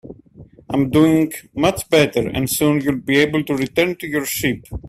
I'm doing much better, and soon you'll be able to return to your sheep.